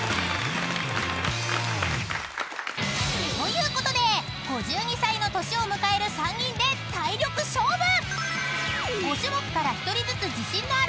［ということで５２歳の年を迎える３人で体力勝負！］